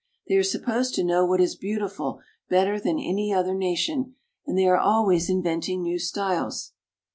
They are supposed to know what is beautiful better than any other nation, and they are always inventing new styles.